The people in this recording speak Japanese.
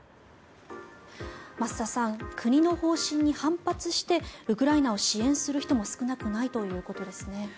増田さん国の方針に反発してウクライナを支援する人も少なくないということですね。